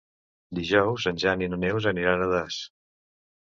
Dijous en Jan i na Neus aniran a Das.